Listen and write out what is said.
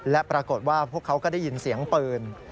และปรากฏว่าพวกเขาก็ได้ยินเสียงปืน